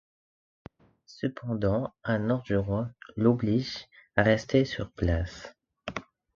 Cependant, un ordre du roi l'oblige à rester sur place.